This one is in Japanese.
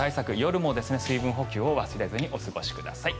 熱中症対策、夜も水分補給を忘れずにお過ごしください。